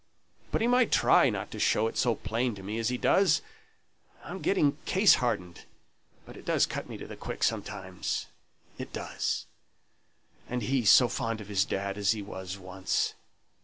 But he might try not to show it so plain to me as he does. I'm getting case hardened, but it does cut me to the quick sometimes it does. And he so fond of his dad as he was once!